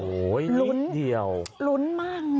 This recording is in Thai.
โหวลุ้นลุ้นลุ้นมาก